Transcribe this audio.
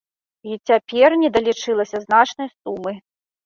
І цяпер недалічылася значнай сумы.